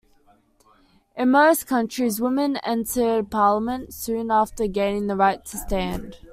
In most countries, women entered parliament soon after gaining the right to stand.